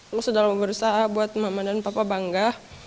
aku selalu berusaha buat mama dan papa bangga